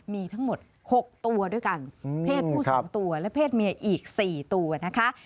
มีทั้งหมด๖ตัวด้วยกันเพศผู้๒ตัวและเพศเมียอีก๔ตัวนะคะ